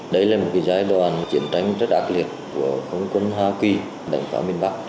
đấy là một cái giai đoạn chiến tranh rất đặc liệt của không quân hoa kỳ đẩy phá miền bắc